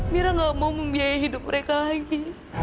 mira gak mau membiayai hidup mereka lagi